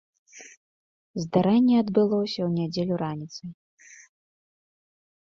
Здарэнне адбылося ў нядзелю раніцай.